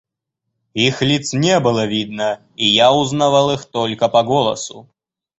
Их лиц не было видно, и я узнавал их только по голосу.